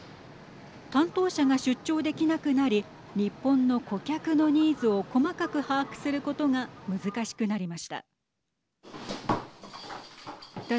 担当者が出張できなくなり日本の顧客のニーズを細かく把握することが難しくなりました。